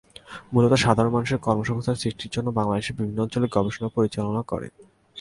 মূলত সাধারণ মানুষের কর্মসংস্থান সৃষ্টির জন্য বাংলাদেশের বিভিন্ন অঞ্চলে গবেষণা পরিচালনা করে।